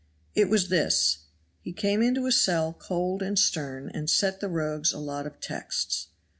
It was this: He came into a cell cold and stern and set the rogues a lot of texts.